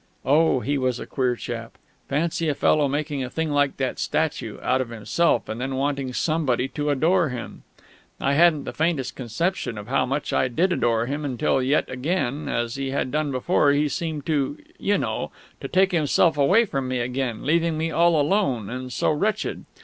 Oh, he was a queer chap! Fancy, a fellow making a thing like that statue, out of himself, and then wanting somebody to adore him! And I hadn't the faintest conception of how much I did adore him till yet again, as he had done before, he seemed to you know to take himself away from me again, leaving me all alone, and so wretched!...